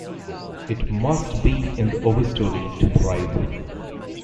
It must be in the overstory to thrive.